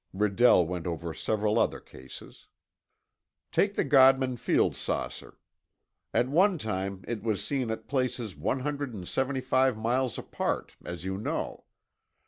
Redell went over several other cases. "Take the Godman Field saucer. At one time, it was seen at places one hundred and seventy five miles apart, as you know.